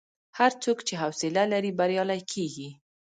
هر څوک چې حوصله لري، بریالی کېږي.